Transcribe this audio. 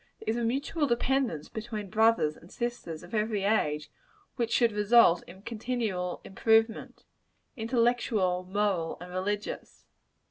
There is a mutual dependence between brothers and sisters of every age, which should result in continual improvement intellectual, moral and religious.